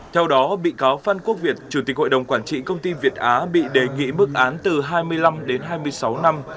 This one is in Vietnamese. theo đó bị cáo phan quốc việt chủ tịch hội đồng quản trị công ty việt á bị đề nghị mức án từ hai mươi năm đến hai mươi sáu năm